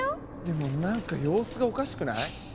でもなんか様子がおかしくない？